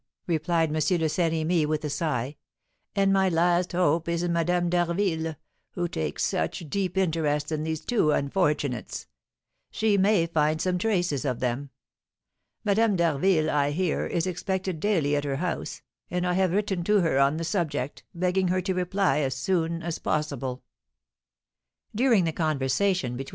replied M. de Saint Remy, with a sigh. "And my last hope is in Madame d'Harville, who takes such deep interest in these two unfortunates; she may find some traces of them. Madame d'Harville, I hear, is expected daily at her house; and I have written to her on the subject, begging her to reply as soon as possible." During the conversation between M.